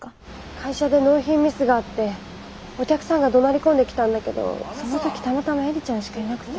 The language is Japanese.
会社で納品ミスがあってお客さんがどなり込んできたんだけどその時たまたま映里ちゃんしかいなくて。